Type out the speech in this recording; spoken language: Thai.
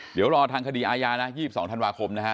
เดี๋ยวรอทางคดีอายา๒๒ธันวาคม